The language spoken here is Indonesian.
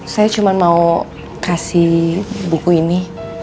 saya cuma mau kasih buku ini